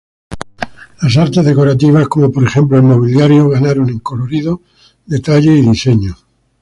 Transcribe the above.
Las artes decorativas ─como por ejemplo, el mobiliario─ ganaron en colorido, detalle y diseño.